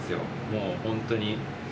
もう、本当に。